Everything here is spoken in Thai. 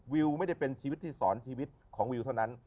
วิวไม่ได้เป็นชีวิตที่สอนชีวิตของวิวเท่านั้น